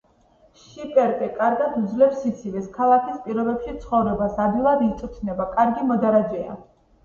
შიპერკე კარგად უძლებს სიცივეს, ქალაქის პირობებში ცხოვრებას, ადვილად იწვრთნება, კარგი მოდარაჯეა.